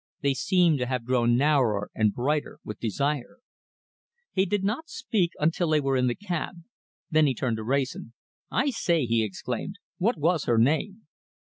They seemed to have grown narrower and brighter with desire. He did not speak until they were in the cab. Then he turned to Wrayson. "I say," he exclaimed, "what was her name?"